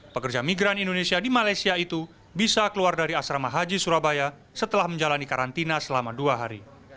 pekerja migran indonesia di malaysia itu bisa keluar dari asrama haji surabaya setelah menjalani karantina selama dua hari